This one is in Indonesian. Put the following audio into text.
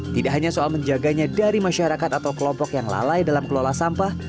tidak hanya soal menjaganya dari masyarakat atau kelompok yang lalai dalam kelola sampah